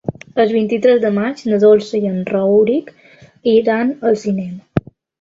El vint-i-tres de maig na Dolça i en Rauric iran al cinema.